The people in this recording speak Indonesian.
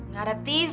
gak ada tv